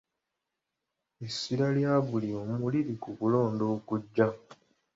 Essira lya buli omu liri ku kulonda okujja.